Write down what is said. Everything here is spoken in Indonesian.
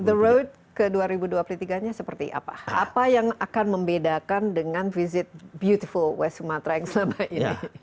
the road ke dua ribu dua puluh tiga nya seperti apa apa yang akan membedakan dengan visit beautiful west sumatra yang selama ini